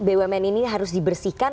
bumn ini harus dibersihkan